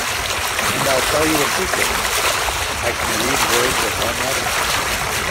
And I’ll tell you a secret—I can read words of one letter!